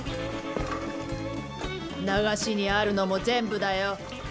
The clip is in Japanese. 流しにあるのも全部だよ。